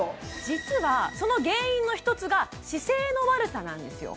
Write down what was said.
実はその原因の一つが姿勢の悪さなんですよ